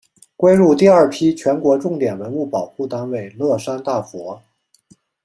归入第二批全国重点文物保护单位乐山大佛。